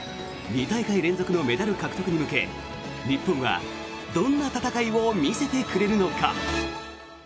２大会連続のメダル獲得に向け日本はどんな戦いを見せてくれるのか。